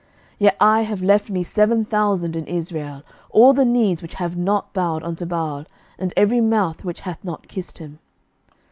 11:019:018 Yet I have left me seven thousand in Israel, all the knees which have not bowed unto Baal, and every mouth which hath not kissed him.